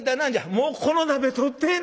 「もうこの鍋取ってえなもう！